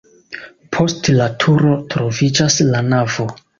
Post la turo troviĝas la navo.